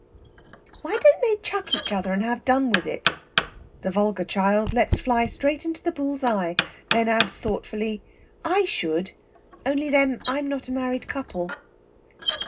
"Why don't they chuck each other and have done with it?" The vulgar child lets fly straight into the bull's eye; then adds thoughtfully: "I should, only, then, I'm not a married couple."